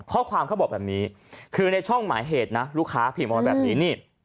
ข้อความเขาบอกแบบนี้คือในช่องหมายเหตุลูกค้าพิมพ์แบบนี้